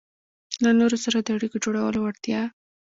-له نورو سره د اړیکو جوړولو وړتیا